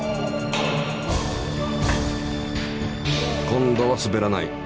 今度はすべらない。